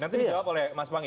nanti dijawab oleh mas bang egy